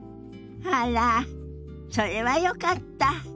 あらそれはよかった。